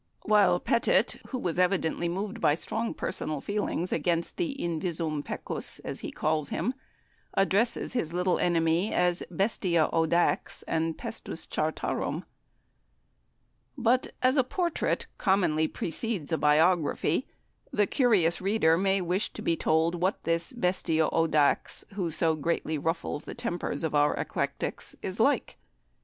while Petit, who was evidently moved by strong personal feelings against the "invisum pecus," as he calls him, addresses his little enemy as "Bestia audax" and "Pestis chartarum." But, as a portrait commonly precedes a biography, the curious reader may wish to be told what this "Bestia audax," who so greatly ruffles the tempers of our eclectics, is like.